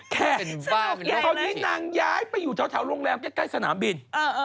คราวนี้นางย้ายไปอยู่แถวโรงแรมใกล้สนามบิน